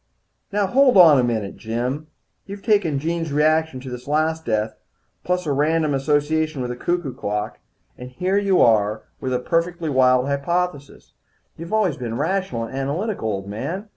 "Now hold on a minute, Jim. You've taken Jean's reaction to this last death, plus a random association with a cuckoo clock, and here you are with a perfectly wild hypothesis. You've always been rational and analytical, old man.